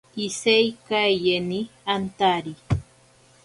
Iseikaeyeni antari.